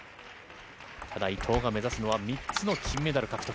ただ伊藤が目指すのは、３つの金メダル獲得。